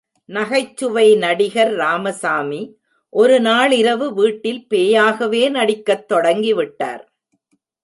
நகைச்சுவை நடிகர் ராமசாமி, ஒரு நாளிரவு வீட்டில் பேயாகவே நடிக்கத் தொடங்கிவிட்டார்.